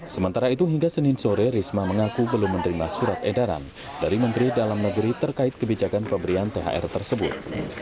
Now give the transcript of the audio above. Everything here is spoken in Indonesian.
sementara itu hingga senin sore risma mengaku belum menerima surat edaran dari menteri dalam negeri terkait kebijakan pemberian thr tersebut